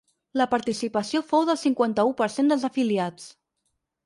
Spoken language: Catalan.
La participació fou del cinquanta-u per cent dels afiliats.